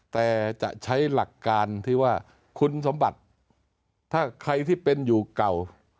แต่จะใช้หลักการที่ว่าคุณสมบัติถ้าใครที่เป็นอยู่เก่า